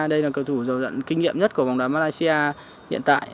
đây là cầu thủ dầu dận kinh nghiệm nhất của vòng đá malaysia hiện tại